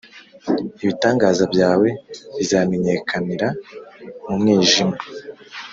Ibitangaza byawe bizamenyekanira mu mwijima